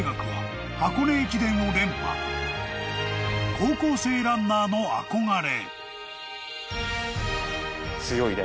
［高校生ランナーの憧れ］